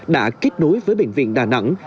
đã kết nối với bệnh viện đà nẵng